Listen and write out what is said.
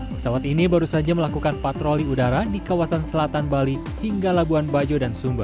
pesawat ini baru saja melakukan patroli udara di kawasan selatan bali hingga labuan bajo dan sumba